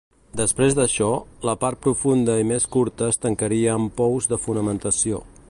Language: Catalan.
Després d'això, la part profunda i més curta es tancaria amb pous de fonamentació.